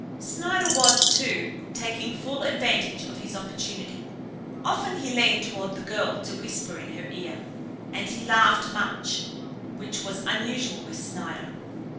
Snider was, too, taking full advantage of his opportunity. Often he leaned toward the girl to whisper in her ear, and he laughed much, which was unusual with Snider.